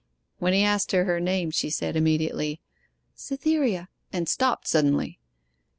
When he asked her her name, she said immediately '"Cytherea" and stopped suddenly.